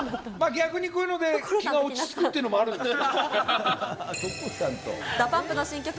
逆にこういうので、気が落ち着くっていうのもあるんですよ。